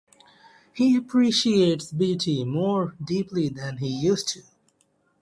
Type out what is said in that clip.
He appreciates beauty more deeply than he used to.